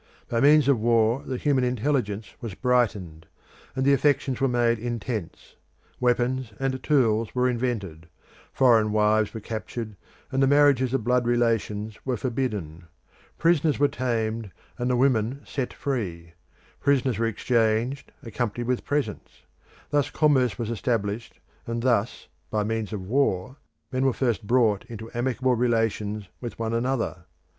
By means of war the human intelligence was brightened, and the affections were made intense; weapons and tools were invented; foreign wives were captured, and the marriages of blood relations were forbidden; prisoners were tamed, and the women set free; prisoners were exchanged, accompanied with presents; thus commerce was established, and thus, by means of war, men were first brought into amicable relations with one another.